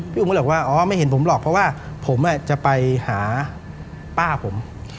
อุ๋มก็เลยบอกว่าอ๋อไม่เห็นผมหรอกเพราะว่าผมจะไปหาป้าผม